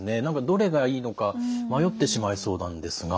どれがいいのか迷ってしまいそうなんですが。